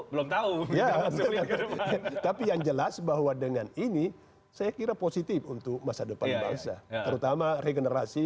belum tahu ya tapi yang jelas bahwa dengan ini saya kira positif untuk masa depan bangsa terutama regenerasi